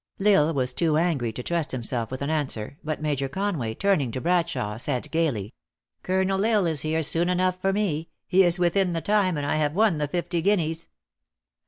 L Isle was too angry to trust himself with an an swer, but Major Con way, turning to Bradshawe, said gaily :" Colonel L Isle is here soon enough for me; he is within the time, and I have won the fifty guineas."